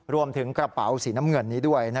รวมถึงกระเป๋าสีน้ำเงินนี้ด้วย